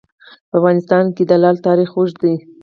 په افغانستان کې د لعل تاریخ اوږد دی.